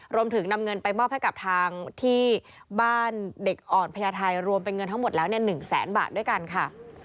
รวมถึงนำเงินไปมอบให้กับทางที่บ้านเด็กอ่อนพญาไทยรวมเป็นเงินทั้งหมดแล้ว๑แสนบาทด้วยกันค่ะ